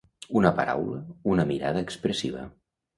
Una paraula, una mirada, expressiva.